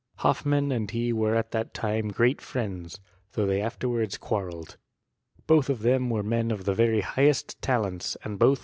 Hoffmann and he were at that time great friends, though they afterwards quarrelled. Both of them were men of the very highest talents^ and botit THEOKT rS CHEMISTT.